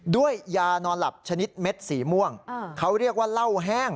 ด้วยยานอนหลับชนิดเม็ดสีม่วงเขาเรียกว่าเหล้าแห้ง